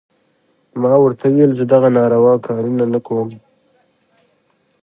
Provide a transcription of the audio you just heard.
ما ورته وويل زه دغه ناروا کارونه نه کوم.